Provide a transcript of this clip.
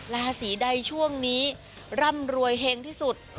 ราศีใดช่วงนี้ร่ำรวยเฮงที่สุด